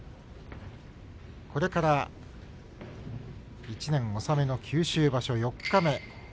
これから１年納めの九州場所四日目。